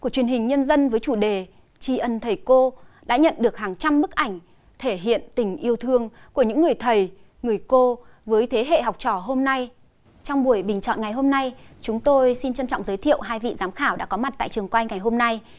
trong buổi bình chọn ngày hôm nay chúng tôi xin trân trọng giới thiệu hai vị giám khảo đã có mặt tại trường quay ngày hôm nay